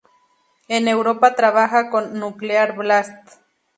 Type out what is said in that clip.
En Europa trabaja con Nuclear Blast.